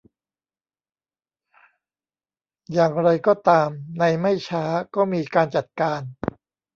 อย่างไรก็ตามในไม่ช้าก็มีการจัดการ